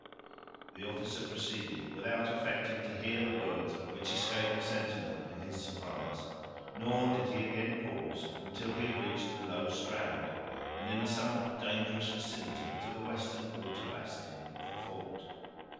The officer proceeded, without affecting to hear the words which escaped the sentinel in his surprise; nor did he again pause until he had reached the low strand, and in a somewhat dangerous vicinity to the western water bastion of the fort.